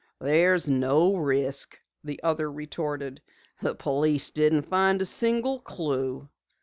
"There's no risk," the other retorted. "The police didn't find a single clue."